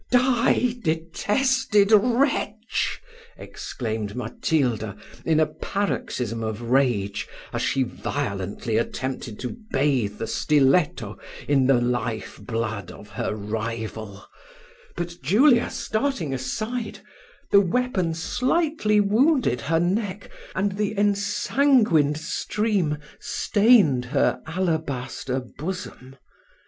"Die! detested wretch," exclaimed Matilda, in a paroxysm of rage, as she violently attempted to bathe the stiletto in the life blood of her rival; but Julia starting aside, the weapon slightly wounded her neck, and the ensanguined stream stained her alabaster bosom.